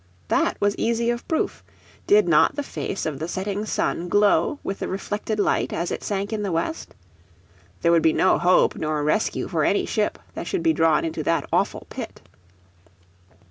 That was easy of proof. Did not the face of the setting sun glow with the reflected light as it sank in the west? There would be no hope nor rescue for any ship that should be drawn into that awful pit.